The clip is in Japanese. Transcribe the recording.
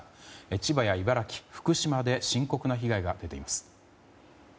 千葉や茨城、福島で深刻な被害が出ています。